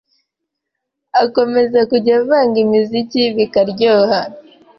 akomeza kujya avanga imiziki bikaryoha.